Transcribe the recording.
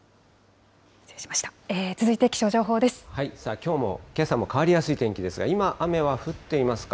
きょうも、けさも変わりやすい天気ですが、今、雨は降っていますか？